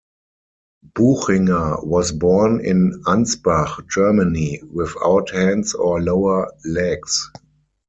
Buchinger was born in Ansbach, Germany, without hands or lower legs.